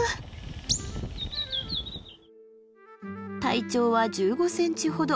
体長は１５ｃｍほど。